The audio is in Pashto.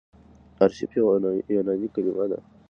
آرشیف يوه یوناني کليمه ده.